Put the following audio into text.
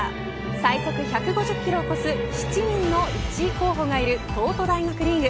最速１５０キロを超す７人の１位候補がいる東都大学リーグ。